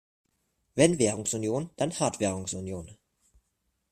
Wenn Währungsunion, dann Hartwährungsunion!